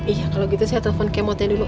iya kalau gitu saya telepon kemotnya dulu